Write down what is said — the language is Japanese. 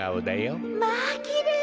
まあきれい。